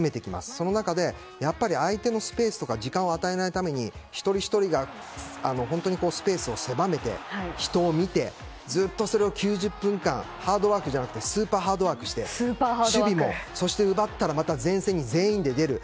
その中で、相手のスペースとか時間を与えないために一人ひとりが本当にスペースを狭めて人を見て、ずっとそれを９０分間ハードワークじゃなくてスーパーハードワークして守備も奪ったら前線に全員で出る。